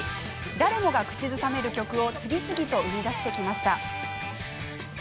誰もが口ずさめる曲を次々と生み出してきました。